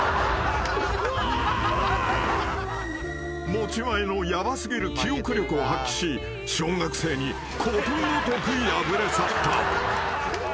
［持ち前のヤバ過ぎる記憶力を発揮し小学生にことごとく敗れ去った］